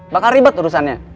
bakal ribet urusannya